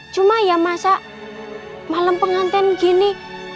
cuma ya masa malam penganten gini